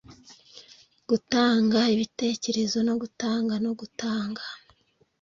gutanga ibitekerezo no gutanga no gutanga